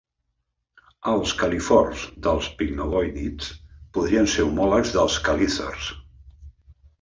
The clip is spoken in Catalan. Els quelífors dels picnogònids podrien ser homòlegs dels quelícers.